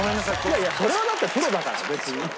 いやいやそれはだってプロだから別に。